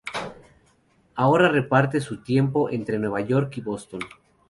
Ahora reparte su tiempo entre Nueva York y Boston.